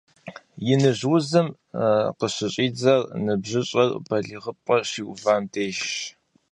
Иныжь узым къыщыщӀидзэр ныбжьыщӀэр балигъыпӀэ щиувэм дежщ.